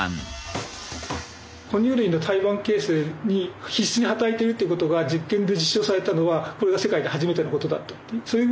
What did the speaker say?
哺乳類の胎盤形成に必須に働いているということが実験で実証されたのはこれが世界で初めてのことだったという。